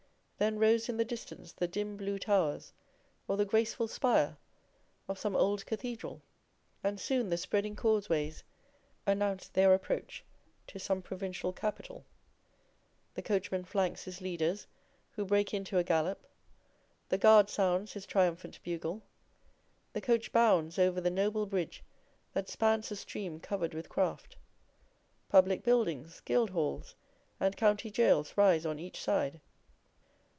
Then rose in the distance the dim blue towers, or the graceful spire, of some old cathedral, and soon the spreading causeways announced their approach to some provincial capital. The coachman flanks his leaders, who break into a gallop; the guard sounds his triumphant bugle; the coach bounds over the noble bridge that spans a stream covered with craft; public buildings, guildhalls, and county gaols rise on each side.